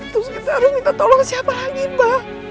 terus kita harus minta tolong siapa lagi mbak